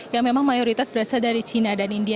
yang memang mayoritas berasal dari china dan india